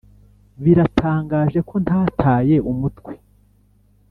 biratangaje ko ntataye umutwe